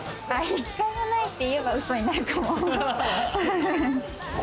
１回もないって言えばウソになるかも。